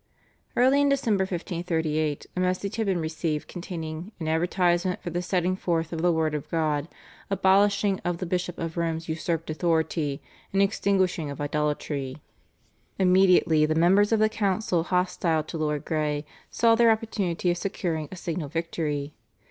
Early in December 1538 a message had been received containing "an advertisement for the setting forth of the Word of God, abolishing of the Bishop of Rome's usurped authority, and extinguishing of idolatry." Immediately the members of the council hostile to Lord Grey saw their opportunity of scoring a signal victory.